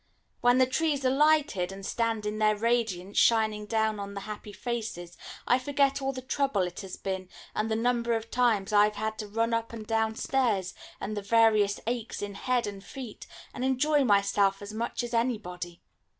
When the trees are lighted, and stand in their radiance shining down on the happy faces, I forget all the trouble it has been, and the number of times I have had to run up and down stairs, and the various aches in head and feet, and enjoy myself as much as anybody.